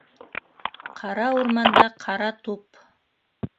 Ҡара урманда - ҡара туп!